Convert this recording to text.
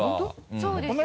そうですよ。